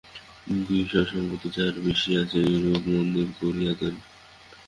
বিষয় সম্পত্তি যাঁহার বেশী আছে, তিনি এইরূপ মন্দির করিয়া দেন।